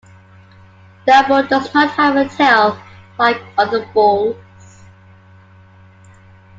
Da Bull does not have a tail like other Bulls.